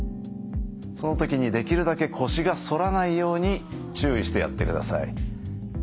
その時にできるだけ腰が反らないように注意してやってください。